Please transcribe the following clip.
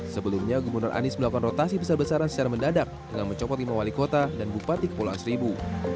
sebelumnya gubernur anies melakukan rotasi besar besaran secara mendadak dengan mencopot lima wali kota dan bupati kepulauan seribu